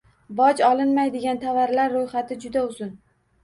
Boj olinmaydigan tovarlar ro'yxati juda uzun